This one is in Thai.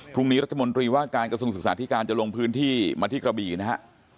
พรุ่งนี้รัฐมนตรีว่าการกระทรวงศึกษาธิการจะลงพื้นที่มาที่กระบี่นะฮะ